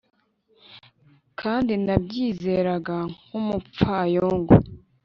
kandi nabyizeraga nkumupfayongo